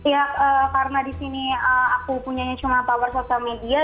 ya karena di sini aku punyanya cuma power social media